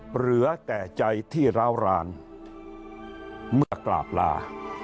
เหลือแต่ใจที่ร้าวรานเมื่อกราบลา